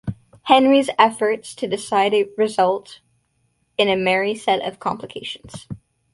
Henry's efforts to decide result in a merry set of complications.